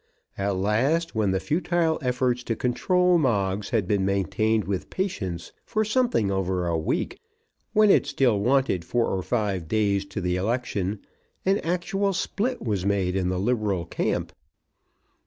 At last, when the futile efforts to control Moggs had been maintained with patience for something over a week, when it still wanted four or five days to the election, an actual split was made in the liberal camp.